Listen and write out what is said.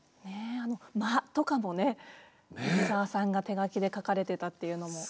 間とかもね飯沢さんが手書きで書かれてたっていうのも。